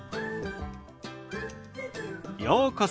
ようこそ。